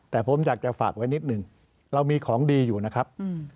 แต่ผมอยากจะฝากไว้นิดหนึ่งเรามีของดีอยู่นะครับ